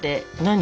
何？